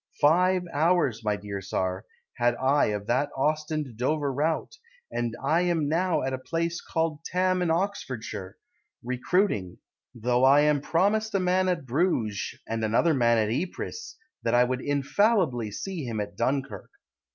Five hours, my dear Tsar, Had I of that Ostend Dover route; And I am now at a place called Thame In Oxfordshire, Recruiting Though I promised a man at Bruges, And another man at Ypres, That I would infallibly see him At Dunkirk.